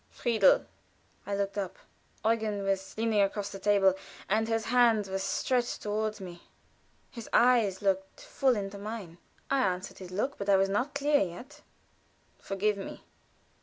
"Friedel!" I looked up. Eugen was leaning across the table and his hand was stretched toward me; his eyes looked full into mine. I answered his look, but I was not clear yet. "Forgive me!"